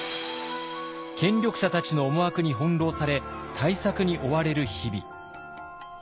権力者たちの思惑に翻弄され対策に追われる日々。